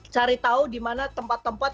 cari tahu dimana tempat tempat